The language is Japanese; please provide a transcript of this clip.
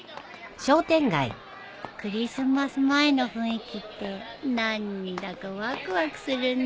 クリスマス前の雰囲気って何だかわくわくするね。